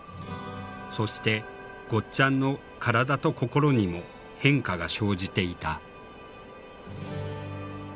そしてゴッちゃんの体と心にも変化が生じていた。